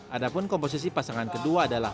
adapun komposisi pasangan kedua adalah